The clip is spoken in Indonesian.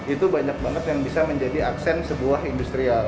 itu banyak banget yang bisa menjadi aksen sebuah industrial